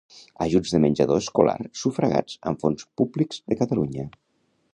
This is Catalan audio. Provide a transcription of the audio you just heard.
Ajuts de menjador escolar sufragats amb fons públics de Catalunya.